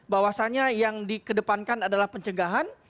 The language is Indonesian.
bahwasannya yang dikedepankan adalah pencegahan